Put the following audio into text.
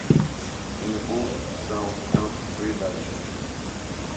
Uma boa reputação é uma propriedade justa.